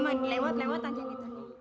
main lewat lewat aja gitu